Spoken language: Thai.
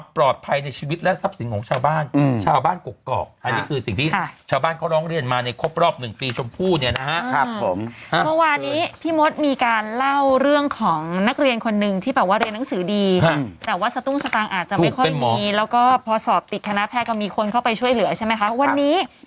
เพชรบุรีค่ะอันนี้เป็นแฝดสามอืม